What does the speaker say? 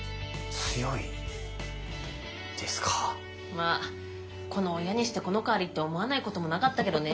まあこの親にしてこの子ありって思わないこともなかったけどね。